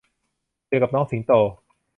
เจอกับน้องสิงโต